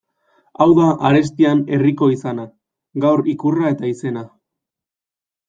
Hau da arestian Herriko izana, gaur ikurra eta izena.